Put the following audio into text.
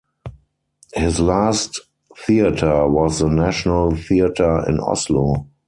His last theater was the National Theater in Oslo.